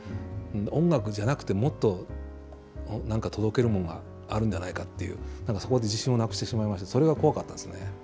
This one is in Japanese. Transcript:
音楽じゃなくて、もっとなんか届けるものがあるんじゃないかっていう、そこで自信をなくしてしまいまして、それが怖かったですね。